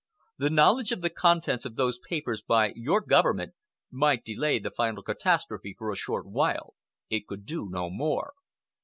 The knowledge of the contents of those papers by your Government might delay the final catastrophe for a short while; it could do no more.